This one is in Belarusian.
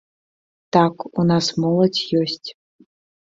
Так, у нас моладзь ёсць.